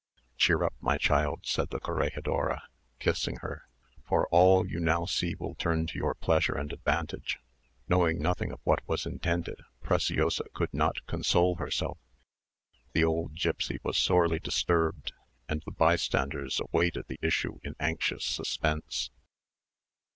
"Cheer up, my child," said the corregidora, kissing her, "for all you now see will turn to your pleasure and advantage." Knowing nothing of what was intended, Preciosa could not console herself; the old gipsy was sorely disturbed, and the bystanders awaited the issue in anxious suspense.